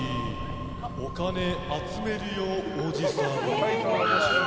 お金集めるよおじさん。